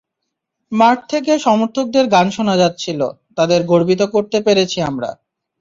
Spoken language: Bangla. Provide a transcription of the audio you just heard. মাঠ থেকে সমর্থকদের গান শোনা যাচ্ছিল, তাঁদের গর্বিত করতে পেরেছি আমরা।